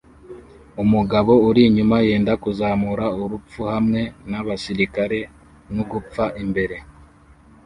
Umugabo uri inyuma yenda kuzamura urupfu hamwe nabasirikare nugupfa imbere